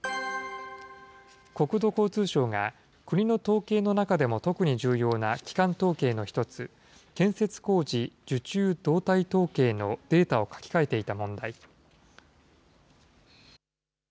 国土交通省が国の統計の中でも特に重要な基幹統計の一つ、建設工事受注動態統計のデータを書き換えていた問題。